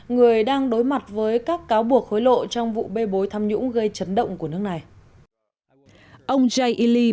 người đang đối mặt với các cáo buộc hối lộ trong vụ bê bối tham nhũng gây chấn động của nước này